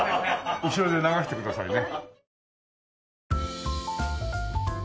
後ろで流してくださいね。